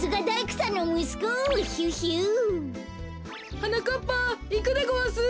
はなかっぱいくでごわす！